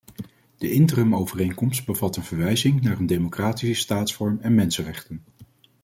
De interimovereenkomst bevat een verwijzing naar een democratische staatsvorm en mensenrechten.